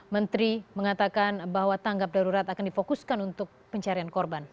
menteri mengatakan bahwa tanggap darurat akan difokuskan untuk pencarian korban